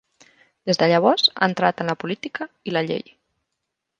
Des de llavors ha entrat en la política i la llei.